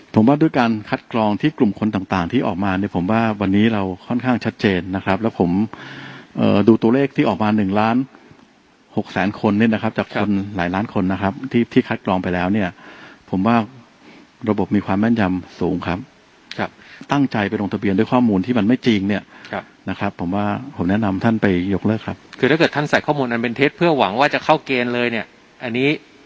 ผมว่าด้วยการคัดกรองที่กลุ่มคนต่างต่างที่ออกมาเนี้ยผมว่าวันนี้เราค่อนข้างชัดเจนนะครับแล้วผมเอ่อดูตัวเลขที่ออกมาหนึ่งล้านหกแสนคนนิดนะครับจากคนหลายล้านคนนะครับที่ที่คัดกรองไปแล้วเนี้ยผมว่าระบบมีความแม่นยำสูงครับครับตั้งใจไปลงทะเบียนด้วยข้อมูลที่มันไม่จริงเนี้ยครับนะครับผมว่าผมแนะนำท่าน